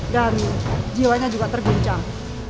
dami jiwanya juga terbuncang